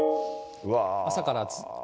朝から。